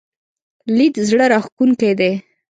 لید زړه راښکونکی دی.